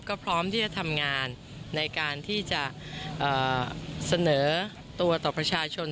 ก็พร้อมที่จะทำงานในการที่จะเสนอตัวต่อประชาชน